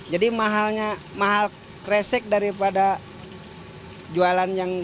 jadi mahalnya mahal keresek daripada jualan yang